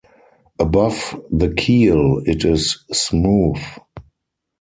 Above the keel it is smooth.